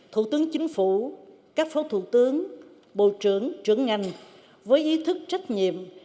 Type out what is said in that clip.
thủ tướng chính phủ các phó thủ tướng bộ trưởng trưởng ngành với ý thức trách nhiệm